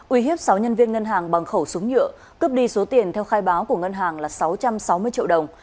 uy hiếp sáu nhân viên ngân hàng bằng khẩu súng nhựa cướp đi số tiền theo khai báo của ngân hàng là sáu trăm sáu mươi triệu đồng